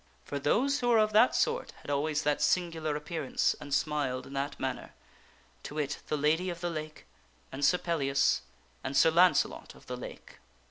(For those who were of that sort had always that singular appear ance and smiled in that manner to wit, the Lady of the Lake, and Sir Pellias, and Sir Launcelot of the Lake.)